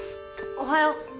おはよう。